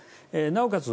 なおかつ